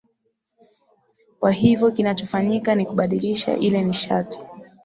kwa hivyo kinachofanyika ni kubadilisha ile nishati